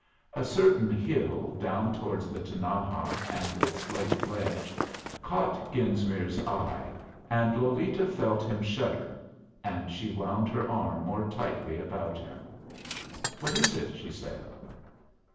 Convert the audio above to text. A certain hill down towards the Tinaja and its slate ledge caught Genesmere's eye, and Lolita felt him shudder, and she wound her arm more tightly about him. "What is it?" she said.